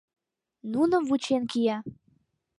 Нуным вучен кия.